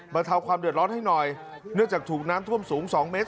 เทาความเดือดร้อนให้หน่อยเนื่องจากถูกน้ำท่วมสูง๒เมตร